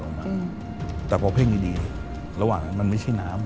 อืมแต่พอเพ่งดีดีระหว่างนั้นมันไม่ใช่น้ำ